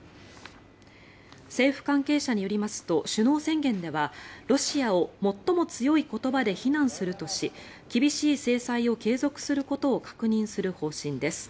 政府関係者によりますと首脳宣言ではロシアを最も強い言葉で非難するとし厳しい制裁を継続することを確認する方針です。